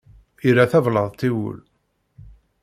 Irra tablaḍt i wul.